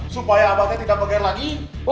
supaya abah nya tidak beger lagi